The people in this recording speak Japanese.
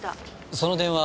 その電話